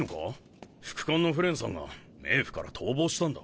副官のフレンさんが冥府から逃亡したんだ。